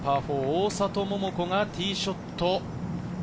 大里桃子がティーショット。